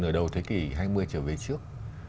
nửa đầu thế kỷ hai mươi trở về trước